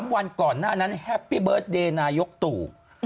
วันก่อนหน้านั้นแฮปปี้เบิร์ตเดย์นายกตู่